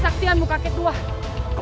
saya akan membunuhmu